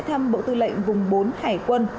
thăm bộ tư lệnh vùng bốn hải quân